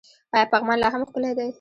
آیا پغمان لا هم ښکلی دی؟